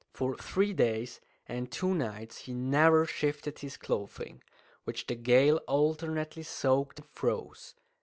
For three days and two nights he never shifted his clothing, which the gale alternately soaked and froze.